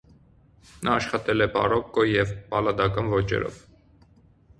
Նա աշխատել է բարոկկո և պալադական ոճերով։